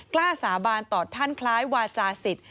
กล้าสาบานต่อท่านคล้ายวาจาศิษย